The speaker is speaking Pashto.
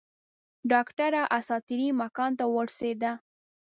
ډاکټره اساطیري مکان ته ورسېده.